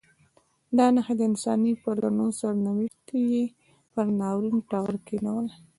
دا نښې د انساني پرګنو سرنوشت یې پر ناورین ټغر کښېنولی.